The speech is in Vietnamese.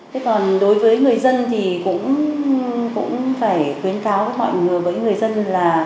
thế còn đối với người dân thì cũng phải khuyến cáo với mọi người với người dân là